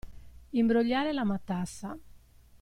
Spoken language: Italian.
Imbrogliare la matassa.